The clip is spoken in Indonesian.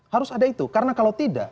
harus ada itu karena kalau tidak